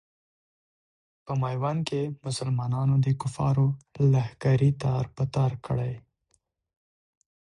په میوند کې مسلمانانو د کفارو لښکرې تار په تار کړلې.